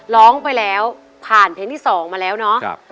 ร้องไปแล้วผ่านเพลงที่๒มาแล้วเนาะ